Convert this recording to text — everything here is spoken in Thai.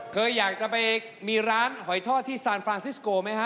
เคยอยากจะไปมีร้านหอยทอดที่ซานฟรานซิสโกไหมฮะ